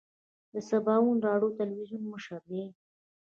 د سباوون راډیو تلویزون مشر دی.